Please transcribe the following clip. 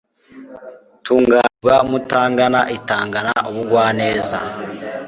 tunganirwa mutangana itangana ubugwaneza